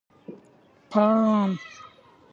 _پام!!!